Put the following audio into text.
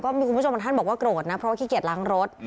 ก็มีคุณผู้ชมบอกว่าโกรธนะเพราะขี้เกียจล้างรถ